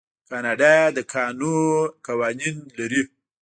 کاناډا د کانونو قوانین لري.